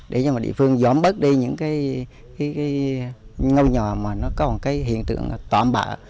để cho địa phương gióm bớt đi những cái ngôi nhà mà nó có một cái hiện tượng tỏa bạ